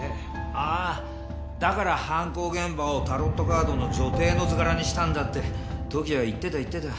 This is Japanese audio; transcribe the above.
ああだから犯行現場をタロットカードの女帝の図柄にしたんだって時矢が言ってた言ってた。